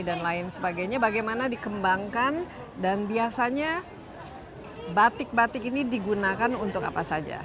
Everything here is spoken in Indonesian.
dan lain sebagainya bagaimana dikembangkan dan biasanya batik batik ini digunakan untuk apa saja